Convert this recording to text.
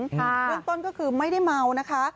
เบื้องต้นก็คือไม่ได้เมานะคะ